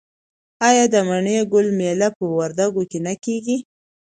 آیا د مڼې ګل میله په وردګو کې نه کیږي؟